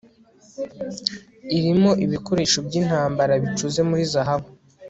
irimo ibikoresho by'intambara bicuze muri zahabu